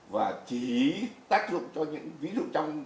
và chỉ tác dụng cho những ví dụ trong